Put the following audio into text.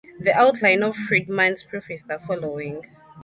The outline of Friedman's proof is the following.